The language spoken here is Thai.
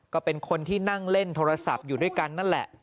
ก็เป็นคนที่นั่งเล่นโทรศัพท์อยู่ด้วยกันนั่นแหละ